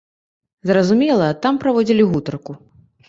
Зразумела, там праводзілі гутарку.